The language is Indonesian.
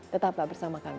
tetaplah bersama kami